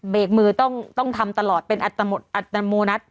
เบรกมือต้องทำตลอดเป็นอัตโนนัส